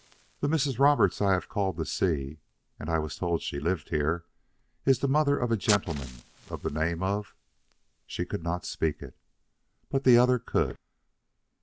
The Mrs. Roberts I have called to see and I was told she lived here is the mother of a gentleman of the name of " She could not speak it. But the other could.